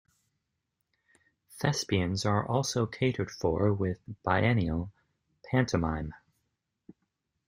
Thespians are also catered for with the biennial pantomime.